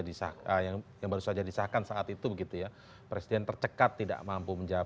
undang undang md tiga yang baru saja disahkan saat itu presiden tercegat tidak mampu menjawab